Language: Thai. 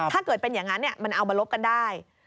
ถ้าเกิดเป็นอย่างนั้นมันเอามาลบกันได้